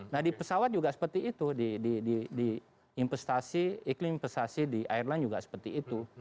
nah di pesawat juga seperti itu di investasi iklim investasi di airline juga seperti itu